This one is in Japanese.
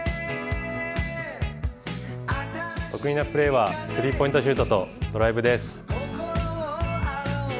得意なプレーはスリーポイントシュートとドライブです。